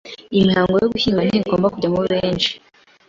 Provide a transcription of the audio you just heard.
Imihango yo gushyingura ntigomba kujyamo benshi